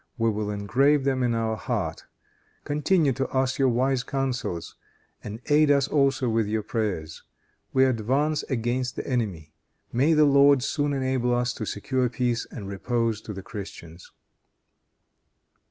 We will engrave them on our heart. Continue to us your wise counsels, and aid us also with your prayers. We advance against the enemy. May the Lord soon enable us to secure peace and repose to the Christians."